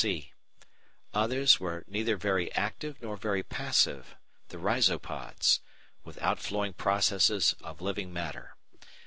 (c) Others were neither very active nor very passive, the Rhizopods, with out flowing processes of living matter.